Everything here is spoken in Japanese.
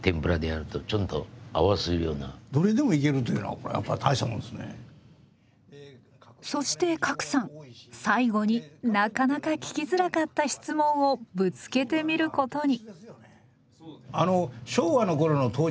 ここの酒っていうのはそして加来さん最後になかなか聞きづらかった質問をぶつけてみることに。